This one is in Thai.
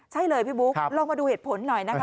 ใช่เลยพี่บุ๊คลองมาดูเหตุผลหน่อยนะคะ